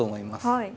はい。